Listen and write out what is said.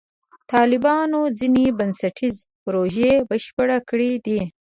طالبانو ځینې بنسټیزې پروژې بشپړې کړې دي.